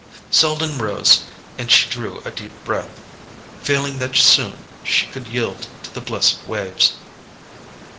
Selden rose, and she drew a deep breath, feeling that soon she could yield to the blessed waves.